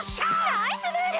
ナイスムール！